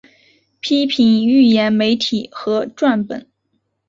批评预言媒体和誊本